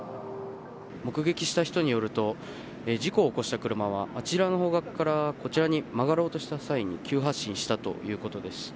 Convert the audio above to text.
目撃した人によると事故を起こした車はあちらの方角からこちらに曲がろうとした際に急発進したということです。